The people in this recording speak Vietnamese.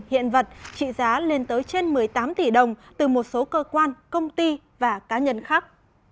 hiện vật trị giá lên tới trên một mươi tám tỷ đồng từ một số cơ quan công ty và cá nhân khác